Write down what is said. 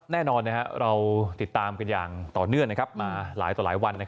แน่นอนเราติดตามกันอย่างต่อเนื่องมาหลายต่อหลายวัน